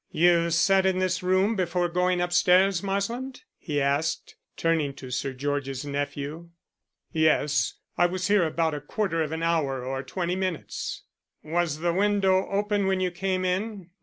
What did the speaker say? "You sat in this room before going upstairs, Marsland?" he asked, turning to Sir George's nephew. "Yes; I was here about a quarter of an hour or twenty minutes." "Was the window open when you came in?